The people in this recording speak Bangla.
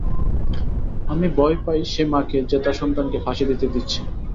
আমি ভয় পাই সে মাকে যে তার সন্তানকে ফাঁসি দিতে দিচ্ছে।